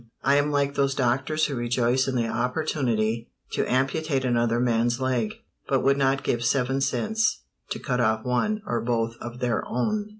I am like those doctors who rejoice in the opportunity to amputate another man's leg, but would not give seven cents to cut off one or both of their own.